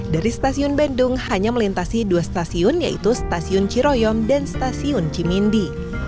dari stasiun bandung hanya melintasi dua stasiun yaitu stasiun ciroyom dan stasiun cimindi